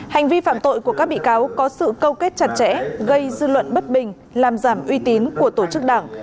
hành vi phạm tội của các bị cáo có sự câu kết chặt chẽ gây dư luận bất bình làm giảm uy tín của tổ chức đảng